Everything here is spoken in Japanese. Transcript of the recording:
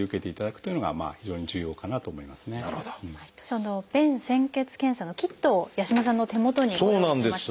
その便潜血検査のキットを八嶋さんの手元にご用意しました。